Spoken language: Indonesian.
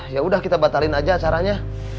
ya udah kita batalin aja caranya